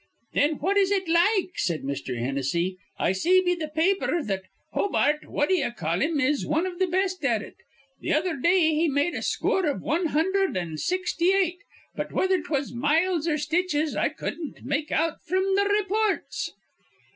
"Thin what is it like?" said Mr. Hennessy. "I see be th' pa aper that Hobart What d'ye call him is wan iv th' best at it. Th' other day he made a scoor iv wan hundherd an' sixty eight, but whether 'twas miles or stitches I cudden't make out fr'm th' raypoorts."